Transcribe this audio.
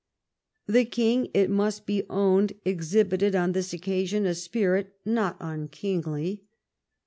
The King, it must be owned^ exhibit ed on this occasion a spirit not unkingly.